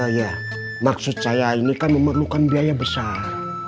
ya maksud saya ini kan memerlukan biaya besar